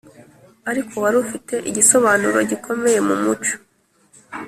ariko wari ufite igisobanuro gikomeye mu muco.